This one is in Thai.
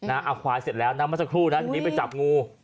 เอาควายเสร็จแล้วนะเมื่อสักครู่นะทีนี้ไปจับงู